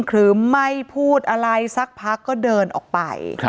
หรือไม่พูดอะไรสักพักก็เดินออกไป